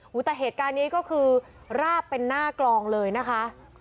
แต่เหตุการณ์นี้ก็คือราบเป็นหน้ากลองเลยนะคะ